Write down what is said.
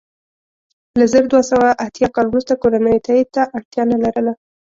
له زر دوه سوه اتیا کال وروسته کورنیو تایید ته اړتیا نه لرله.